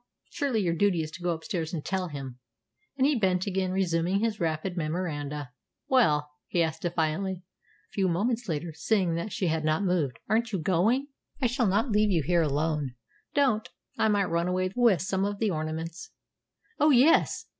Surely your duty is to go upstairs and tell him;" and he bent again, resuming his rapid memoranda. "Well," he asked defiantly, a few moments later, seeing that she had not moved, "aren't you going?" "I shall not leave you here alone." "Don't. I might run away with some of the ornaments." "Oh, yes!"